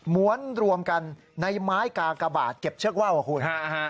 ้วนรวมกันในไม้กากบาทเก็บเชือกว่าวอะคุณ